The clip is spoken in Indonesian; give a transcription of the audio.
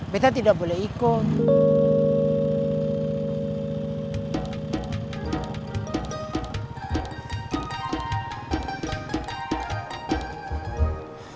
betta tidak boleh ikut